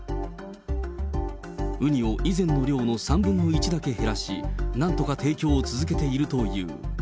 ウニを以前の量の３分の１だけ減らし、なんとか提供を続けているという。